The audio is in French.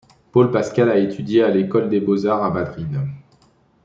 Paul Pascal a étudié à l'école des beaux-arts à Madrid.